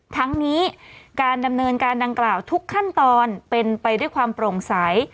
ทั้งนี้การดำเนินการดังกล่าวทุกขั้นตอนเป็นไปด้วยความโปร่งใส